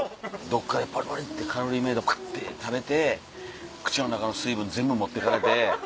どっかでポリポリってカロリーメイトパッて食べて口の中の水分全部持ってかれて。